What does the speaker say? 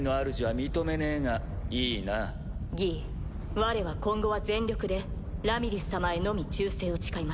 われは今後は全力でラミリス様へのみ忠誠を誓いましょう。